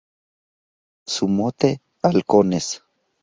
Su mote: Halcones.